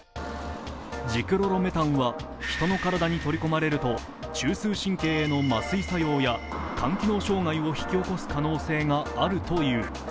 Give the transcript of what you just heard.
ジクロロメタンは人の体に取り込まれると中枢神経への麻酔作用や肝機能障害を引き起こす可能性があるという。